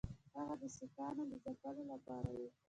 هغه د سیکهانو د ځپلو لپاره وو.